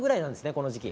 この時期。